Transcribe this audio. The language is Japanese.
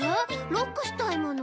ロックしたいもの？